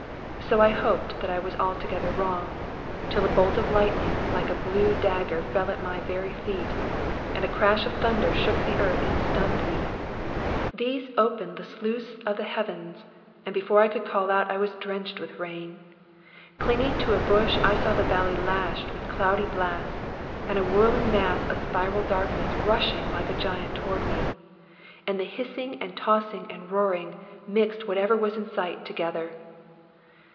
So I hoped that I was altogether wrong, till a bolt of lightning, like a blue dagger, fell at my very feet, and a crash of thunder shook the earth and stunned me. These opened the sluice of the heavens, and before I could call out I was drenched with rain. Clinging to a bush, I saw the valley lashed with cloudy blasts, and a whirling mass of spiral darkness rushing like a giant toward me. And the hissing and tossing and roaring mixed whatever was in sight together.